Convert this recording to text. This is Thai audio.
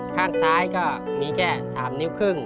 ข้างซ้ายก็มีแค่๓นิ้วครึ่ง